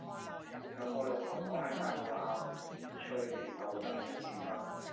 有個老婆婆喺大埔滘翠巒路等緊小巴